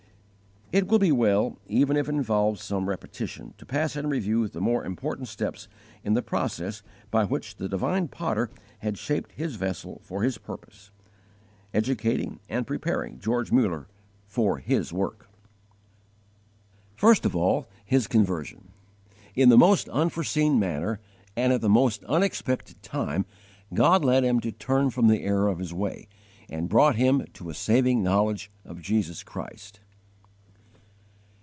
It will be well, even if it involves some repetition, to pass in review the more important steps in the process by which the divine Potter had shaped His vessel for His purpose, educating and preparing George Muller for His work. 1. First of all, his conversion. In the most unforeseen manner and at the most unexpected time God led him to turn from the error of his way, and brought him to a saving knowledge of Jesus Christ.